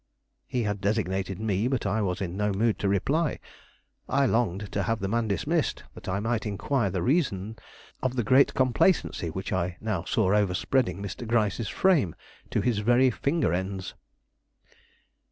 He had designated me; but I was in no mood to reply. I longed to have the man dismissed, that I might inquire the reason of the great complacency which I now saw overspreading Mr. Gryce's frame, to his very finger ends.